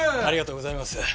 ありがとうございます。